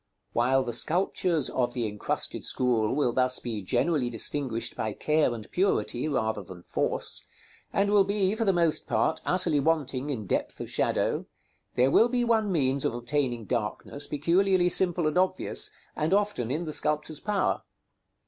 While the sculptures of the incrusted school will thus be generally distinguished by care and purity rather than force, and will be, for the most part, utterly wanting in depth of shadow, there will be one means of obtaining darkness peculiarly simple and obvious, and often in the sculptor's power.